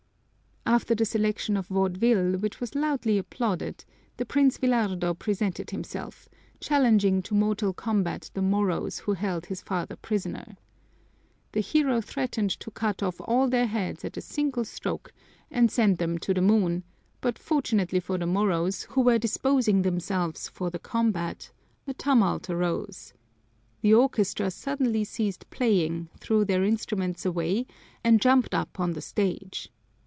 After the selection of vaudeville, which was loudly applauded, the Prince Villardo presented himself, challenging to mortal combat the Moros who held his father prisoner. The hero threatened to cut off all their heads at a single stroke and send them to the moon, but fortunately for the Moros, who were disposing themselves for the combat, a tumult arose. The orchestra suddenly ceased playing, threw their instruments away, and jumped up on the stage.